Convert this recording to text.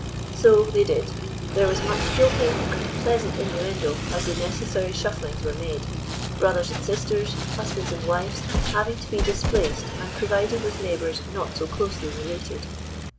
So they did. There was much joking and pleasant innuendo as the necessary shufflings were made, brothers and sisters, husbands and wives having to be displaced and provided with neighbours not so closely related.